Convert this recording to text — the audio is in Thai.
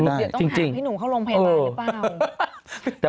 ต้องหาพี่หนูเข้าโรงพยาบาลหรือเปล่า